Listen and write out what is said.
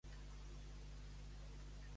De per avall.